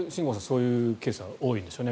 そういうケースは多いんでしょうね。